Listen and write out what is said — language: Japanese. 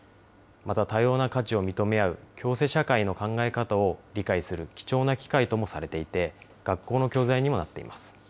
また多様な価値を認め合う共生社会の考え方を理解する貴重な機会ともされていて、学校の教材にもなっています。